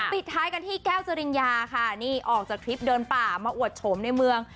ปิดท้ายกันที่แก้วจริญญาค่ะนี่ออกจากทริปเดินป่ามาอวดโฉมในเมือง